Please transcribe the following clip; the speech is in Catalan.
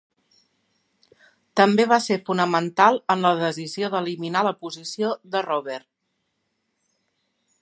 També va ser fonamental en la decisió d'eliminar la posició de "rover".